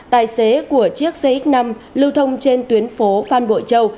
tài xế của chiếc cx năm lưu thông trên tuyến phố phan bội châu